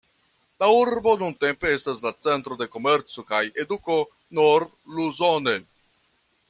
La urbo nuntempe estas la centro de komerco kaj eduko nord-Luzone.